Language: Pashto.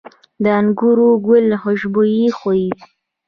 د انګورو ګل خوشبويه وي؟